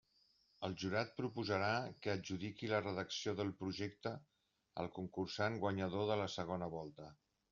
El Jurat proposarà que adjudiqui la redacció del Projecte al concursant guanyador de la segona volta.